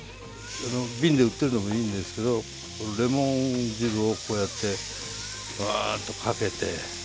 瓶で売ってるのもいいんですけどレモン汁をこうやってワーッとかけて。